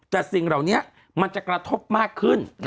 แต่สิ่งเหล่านี้มันจะกระทบมากขึ้น